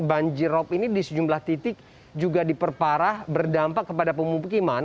banjir rob ini di sejumlah titik juga diperparah berdampak kepada pemukiman